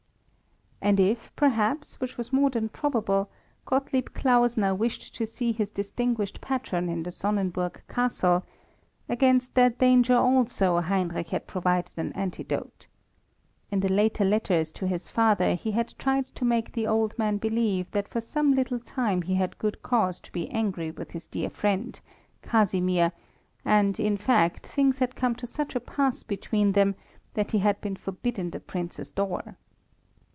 And if, perhaps, which was more than probable, Gottlieb Klausner wished to see his distinguished patron in the Sonnenburg Castle, against that danger also Heinrich had provided an antidote. In the later letters to his father he had tried to make the old man believe that for some little time he had good cause to be angry with his dear friend, Casimir, and, in fact, things had come to such a pass between them that he had been forbidden the Prince's door.